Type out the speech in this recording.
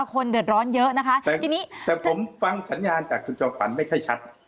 คนเดือดร้อนเยอะนะคะแต่ทีนี้แต่ผมฟังสัญญาณจากคุณจอมขวัญไม่ค่อยชัด